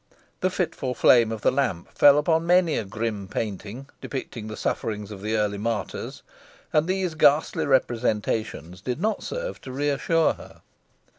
The fitful flame of the lamp fell upon many a grim painting depicting the sufferings of the early martyrs; and these ghastly representations did not serve to re assure her.